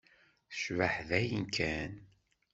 Yecbeḥ dayen kan.